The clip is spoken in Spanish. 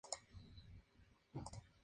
Yusuf entonces debe trabajar en una mina.